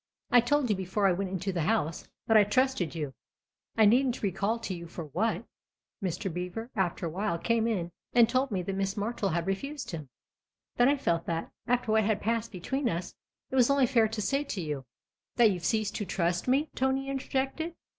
I told you before I went into the house that I trusted you I needn't recall to you for what. Mr. Beever after a while came in and told me that Miss Martle had refused him. Then I felt that, after what had passed between us, it was only fair to say to you "" That you've ceased to trust me ?" Tony inter jected.